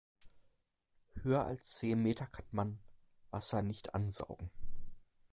Höher als zehn Meter kann man Wasser nicht ansaugen.